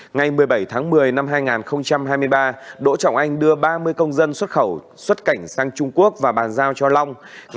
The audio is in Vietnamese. ngày một mươi bảy tháng một mươi năm hai nghìn hai mươi ba đỗ trọng anh đưa ba mươi công dân xuất khẩu xuất cảnh sang trung quốc và bàn giao cho long